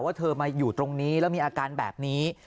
เธอมาอยู่ตรงนี้แล้วมีอาการแบบนี้